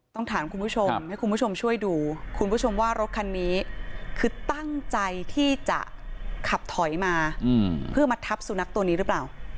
ต้องถามคุณผู้ชมให้คุณผู้ชมช่วยดูคุณผู้ชมว่ารถคันนี้คือตั้งใจที่จะขับถอยมาเพื่อมาทับสุนัขตัวนี้หรือเปล่า